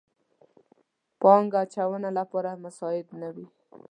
پانګه اچونې لپاره مساعد نه وي.